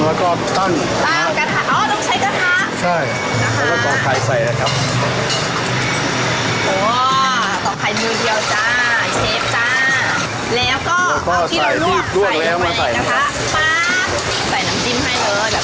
แล้วก็เอาที่รั่วใส่ไว้นะคะปั๊บใส่น้ำจิ้มให้เลยแบบแข็งเรียบร้อย